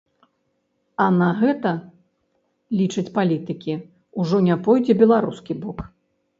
А на гэта, лічаць палітыкі, ужо не пойдзе беларускі бок.